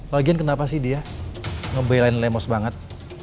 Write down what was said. lagian kenapa sih dia ngebelain lemos banget